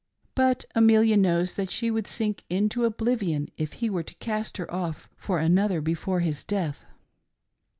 But Amelia knows that she would sink into oblivion if he were to cast hef off for another before his death.